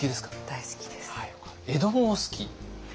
大好きなんです。